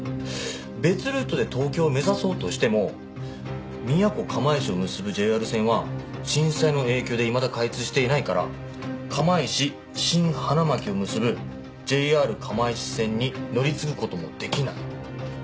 別ルートで東京を目指そうとしても宮古釜石を結ぶＪＲ線は震災の影響でいまだ開通していないから釜石新花巻を結ぶＪＲ釜石線に乗り継ぐ事も出来ない。